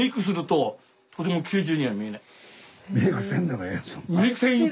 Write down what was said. メークせんでもええやん。